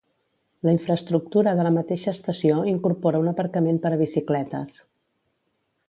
La infraestructura de la mateixa estació incorpora un aparcament per a bicicletes.